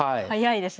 はい。